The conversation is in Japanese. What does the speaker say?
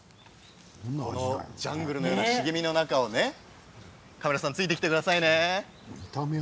ジャングルのような茂みの中をカメラさんついてきてくださいね。